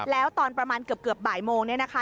แล้วตอนประมาณเกือบบ่ายโมงเนี่ยนะคะ